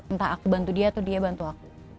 entah aku bantu dia atau dia bantu aku